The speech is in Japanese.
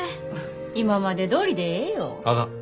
今までどおりでええよ。あかん。